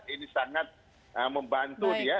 ini sangat membantu dia